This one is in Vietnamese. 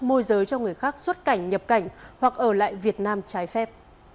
môi giới cho người khác xuất cảnh nhập cảnh hoặc ở lại việt nam trái phép